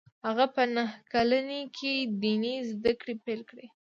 هغه په نهه کلنۍ کې ديني زده کړې پیل کړې